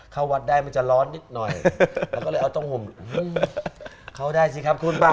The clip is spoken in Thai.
เข้าวัดได้มันจะร้อนนิดหน่อยเราก็เลยเอาตรงห่มเข้าได้สิครับคุณป้า